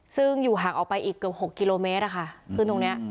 ซึ่งอยู่ห่างออกไปอีกเกือบ๖กิโลเมตรขึ้นตรงนี้